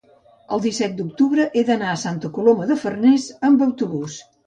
el disset d'octubre he d'anar a Santa Coloma de Farners amb autobús.